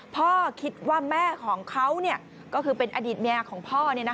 พ่อคิดว่าแม่ของเขาก็คือเป็นอดีตเมียของพ่อ